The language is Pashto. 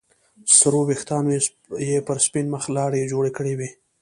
سرو ويښتانو يې پر سپين مخ لارې جوړې کړې وې.